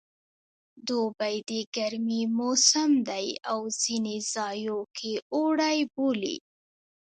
دوبی د ګرمي موسم دی او ځینې ځایو کې اوړی بولي